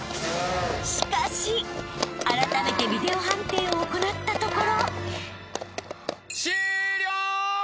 ［あらためてビデオ判定を行ったところ］終了！